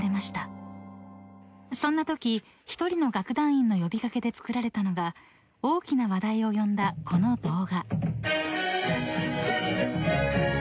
［そんなとき一人の楽団員の呼び掛けでつくられたのが大きな話題を呼んだこの動画］